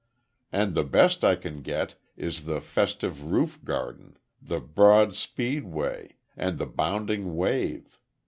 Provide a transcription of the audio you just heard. And the best I can get is the festive roof garden, the broad speed way, and the bounding wave.